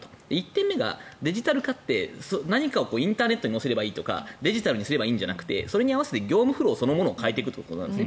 １点目がデジタル化って何かをインターネットに乗せればいいとかデジタルにすればいいんじゃなくてそれに合わせて業務フローそのものを変えていくということなんです。